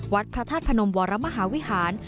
พระธาตุพนมวรมหาวิหาร